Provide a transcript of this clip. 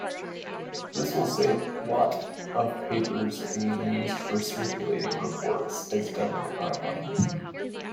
This will save lot of papers being used for circulating reports as done currently.